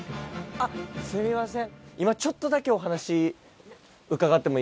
あっすいません。